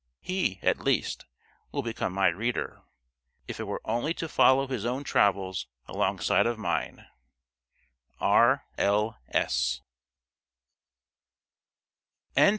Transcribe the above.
He, at least, will become my reader:—if it were only to follow his own travels alongside of mine. R.L.